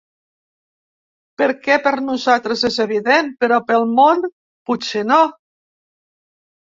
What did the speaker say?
Perquè per nosaltres és evident, però pel món potser no.